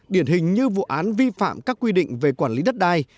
điển hình như vụ án vi phạm các quy định về quản lý đất đai